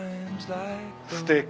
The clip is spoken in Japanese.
すてき。